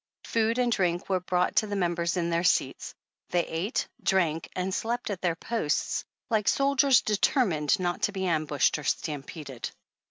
Food and drink were brought to the members in their seats ; they ate, drank and slept at their posts, like soldiers determined not to be ambushed or stampeded.